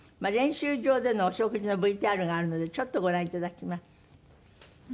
練習場でのお食事のＶＴＲがあるのでちょっとご覧頂きます。